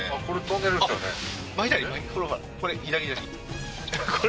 これですね